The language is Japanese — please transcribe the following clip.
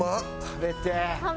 食べてえ。